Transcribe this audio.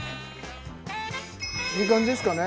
いい感じですかね？